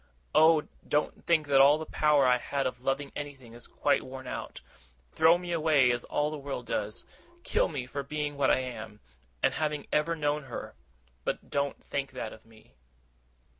Oh, don't think that all the power I had of loving anything is quite worn out! Throw me away, as all the world does. Kill me for being what I am, and having ever known her; but don't think that of me!